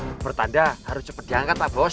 ya pertanda harus cepet diangkat lah bos